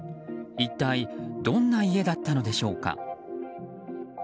一体どんな家だったのでしょうか。